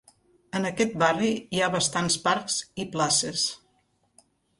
En aquest barri hi ha bastants parcs i places.